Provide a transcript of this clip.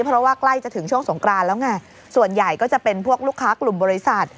เพราะว่าใกล้จะถึงช่วงสงกรานแล้วไงส่วนใหญ่ก็จะเป็นพวกลูกค้ากลุ่มบริษัท